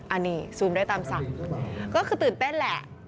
อันนี้ซูมได้ตามสั่งก็คือตื่นเต้นแหละ